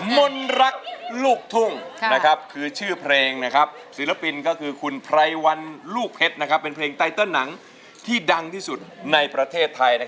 มนต์รักลูกทุ่งคือชื่อเพลงศิลปินก็คือคุณไพรวันลูกเพชรเป็นเพลงไตเติลหนังที่ดังที่สุดในประเทศไทย